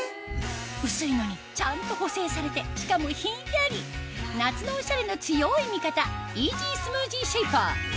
薄いのにちゃんと補整されてしかもヒンヤリ夏のオシャレの強い味方イージースムージーシェイパー